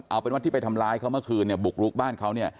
เอาเป็นว่าที่ไปทำร้ายเขาเมื่อคืนเนี่ยบุกลุกบ้านเขาเนี่ย